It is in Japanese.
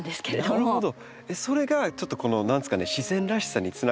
なるほど。